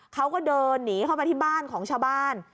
เขาก็เดินหนีเข้ามาที่บ้านของชาวบ้าน